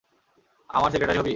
আমার সেক্রেটারি হবি?